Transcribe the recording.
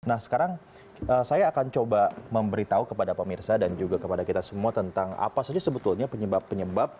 nah sekarang saya akan coba memberitahu kepada pemirsa dan juga kepada kita semua tentang apa saja sebetulnya penyebab penyebab